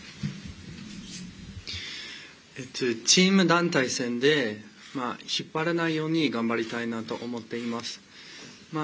チーム団体戦で引っ張らないように頑張りたいなと思っています。